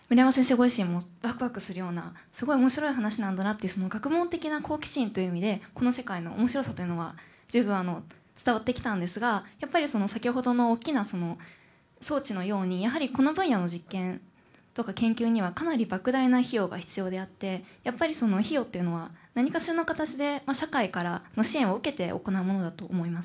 ご自身もワクワクするようなすごい面白い話なんだなっていう学問的な好奇心という意味でこの世界の面白さというのは十分伝わってきたんですがやっぱり先ほどの大きな装置のようにやはりこの分野の実験とか研究にはかなり莫大な費用が必要であってやっぱりその費用っていうのは何かしらの形で社会からの支援を受けて行うものだと思います。